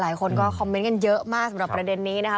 หลายคนก็คอมเมนต์กันเยอะมากสำหรับประเด็นนี้นะคะ